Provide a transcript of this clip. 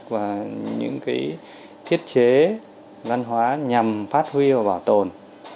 và những thiết chế văn hóa nhằm phát huy và bảo tồn